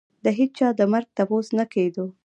د هېچا د مرګ تپوس نه کېدو.